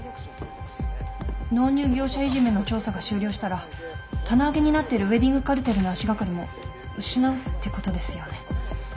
納入業者いじめの調査が終了したら棚上げになってるウエディングカルテルの足掛かりも失うってことですよね。